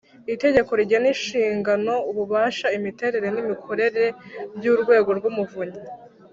itegeko rigena inshingano, ububasha, imiterere n’imikorere by'urwego rw'umuvunyi.